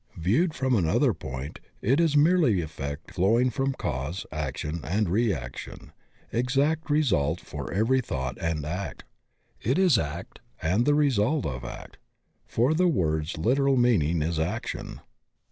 Viewed from another point it is merely effect flowing from cause, action and reaction, exact result for every thought and act. It is act and the result of act; for the word's Uteral meaning is action.